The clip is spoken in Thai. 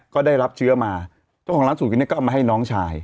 ก็ได้รับเชื้อมาเจ้าของร้านสูตรกันเนี่ยก็เอามาให้น้องชาย